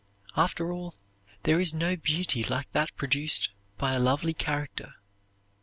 After all, there is no beauty like that produced by a lovely character.